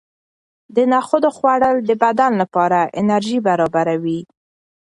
د نخودو خوړل د بدن لپاره انرژي برابروي.